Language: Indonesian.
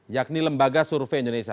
yakni lembaga survei indonesia